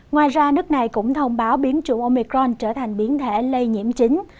ngoài ra nước này cũng thông báo biến trụ omicron trở thành biến thể lây nhiễm chính